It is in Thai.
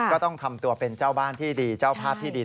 ก็ต้องทำตัวเป็นเจ้าบ้านที่ดีเจ้าภาพที่ดิน